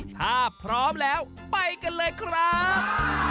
ถ้าพร้อมแล้วไปกันเลยครับ